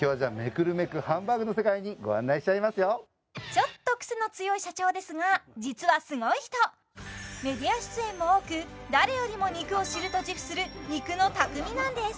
ちょっとクセの強い社長ですが実はすごい人メディア出演も多く誰よりも肉を知ると自負する肉の匠なんです